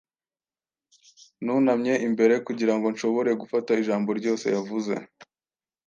Nunamye imbere kugirango nshobore gufata ijambo ryose yavuze.